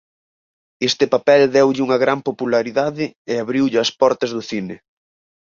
Este papel deulle gran popularidade e abriulle as portas do cine.